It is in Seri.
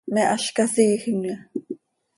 ¿Me áz casiijimya?